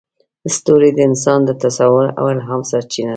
ستوري د انسان د تصور او الهام سرچینه ده.